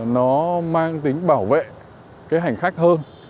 nó mang tính bảo vệ cái hành khách hơn